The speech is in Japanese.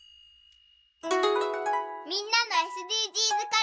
みんなのＳＤＧｓかるた。